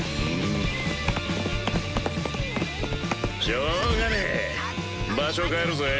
しょうがねぇ場所変えるぜ。